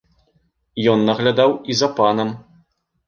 Ён наглядаў і за панам.